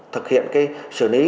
thực hiện cái xử lý